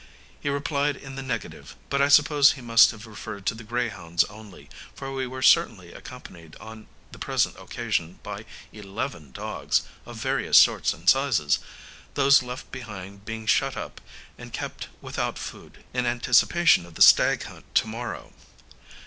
He replied in the negative; but I suppose he must have referred to the greyhounds only, for we were certainly accompanied on the present occasion by eleven dogs of various sorts and sizes, those left behind being shut up and kept without food, in anticipation of the stag hunt to morrow.